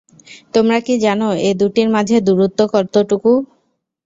তোমরা কি জান, এ দুটির মাঝে দূরত্ব কতটুকু?